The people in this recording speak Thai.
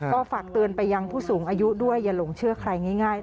ก็ฝากเตือนไปยังผู้สูงอายุด้วยอย่าหลงเชื่อใครง่าย